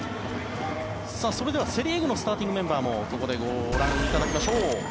それではセ・リーグのスターティングメンバーもここでご紹介しましょう。